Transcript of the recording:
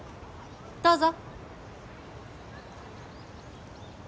どうぞ。